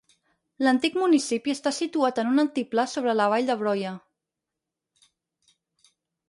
L'antic municipi està situat en un altiplà sobre la vall de Broye.